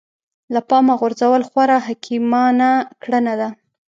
له پامه غورځول خورا حکيمانه کړنه ده.